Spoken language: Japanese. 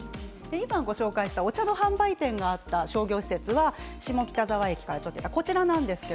お茶の販売店があった商業施設は、下北沢駅から歩いたこちらです。